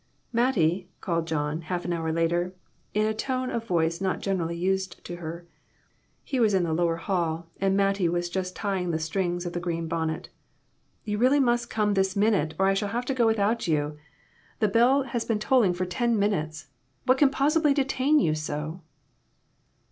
"Mattie!" called John half an hour later, in a tone of voice not generally used to her. He was in the lower hall, and Mattie was just tying the strings of the green bonnet. "You really must come this minute, or I shall have to go without IOO BONNETS, AND BURNS, AND BURDENS. you ; the bell has been tolling for ten minutes. What can possibly detain you so